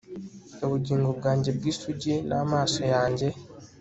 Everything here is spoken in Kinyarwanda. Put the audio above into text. Ubugingo bwanjye bwisugi namaso yanjye